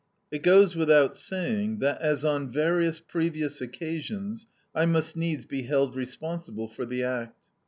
It goes without saying that, as on various previous occasions, I must needs be held responsible for the act.